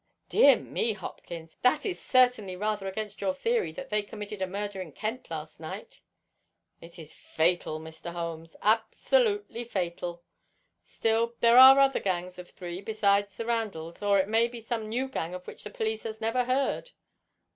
"Dear me, Hopkins! That is certainly rather against your theory that they committed a murder in Kent last night." "It is fatal, Mr. Holmes, absolutely fatal. Still, there are other gangs of three besides the Randalls, or it may be some new gang of which the police have never heard."